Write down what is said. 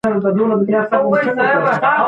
روغتیا له کاره مهمه ده.